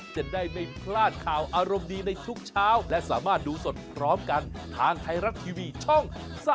จะได้ไม่พลาดข่าวอารมณ์ดีในทุกเช้าและสามารถดูสดพร้อมกันทางไทยรัฐทีวีช่อง๓๒